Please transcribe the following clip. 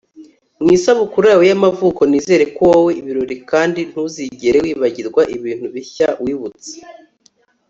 ku isabukuru yawe y'amavuko nizere ko wowe ibirori kandi ntuzigere wibagirwa ibintu bishya wibutse